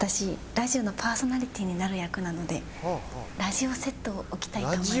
ラジオのパーソナリティーになる役なのでラジオセットを置きたいと思います。